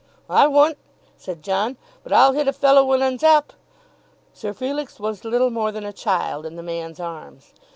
"I wunt," said John; "but I'll hit a fellow when 'un's up." Sir Felix was little more than a child in the man's arms.